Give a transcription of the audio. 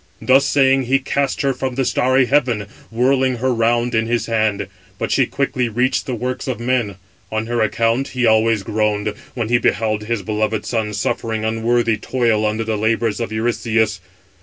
"Thus saying, he cast her from the starry heaven, whirling her round in his hand, but she quickly reached the works of men. On her account he always groaned, 627 when he beheld his beloved son suffering unworthy toil under the labours of 628 Eurystheus.